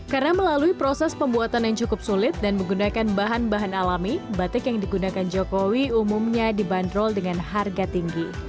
karena melalui proses pembuatan yang cukup sulit dan menggunakan bahan bahan alami batik yang digunakan jokowi umumnya dibanderol dengan harga tinggi